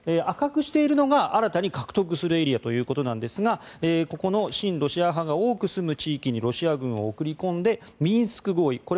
赤くしているのが新たに獲得するエリアということなんですがここの親ロシア派が多く住む地域にロシア軍を送り込んでミンスク合意